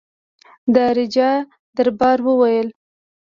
د راجا دربار وویل.